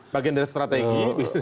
bagian dari strategi